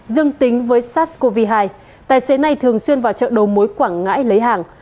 dương tính với sars cov hai tài xế này thường xuyên vào chợ đầu mối quảng ngãi lấy hàng